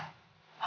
jujur ya al